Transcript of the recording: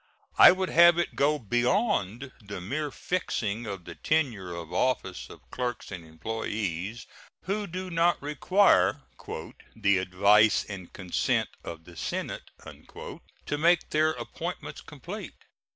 I would have it go beyond the mere fixing of the tenure of office of clerks and employees who do not require "the advice and consent of the Senate" to make their appointments complete.